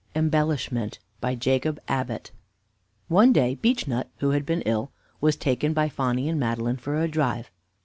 EMBELLISHMENT By JACOB ABBOTT One day Beechnut, who had been ill, was taken by Phonny and Madeline for a drive.